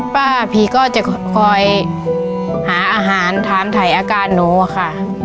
ป้าผีก็จะคอยหาอาหารถามถ่ายอาการหนูอะค่ะ